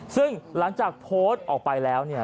ซึ่งหลังจากโพสต์ออกไปแล้วเนี่ย